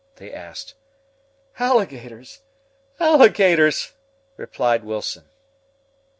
they asked. "Alligators! alligators!" replied Wilson.